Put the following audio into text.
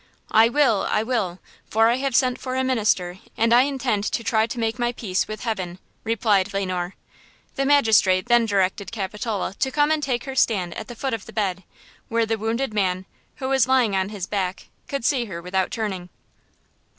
"I will I will–for I have sent for a minister and I intend to try to make my peace with heaven," replied Le Noir. The magistrate then directed Capitola to come and take her stand at the foot of the bed, where the wounded man, who was lying on his back, could see her without turning.